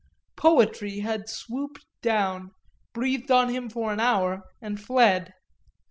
Poetry had swooped down, breathed on him for an hour and fled.